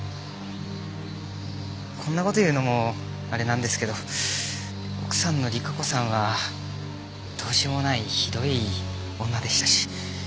こんな事言うのもあれなんですけど奥さんの莉華子さんはどうしようもないひどい女でしたし。